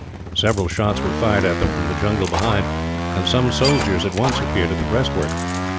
Several shots were fired at them, from the jungle behind; and some soldiers at once appeared at the breastwork.